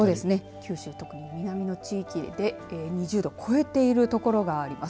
九州、特に南の地域で２０度を超えている所があります。